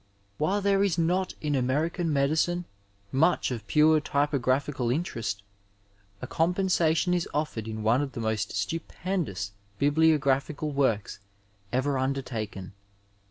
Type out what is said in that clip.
While there is not in American medicine much of pure typographical interest, a compensation is offered in one of the most stupendous bibliographical works ever under taken.